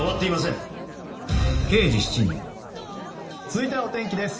続いては、お天気です。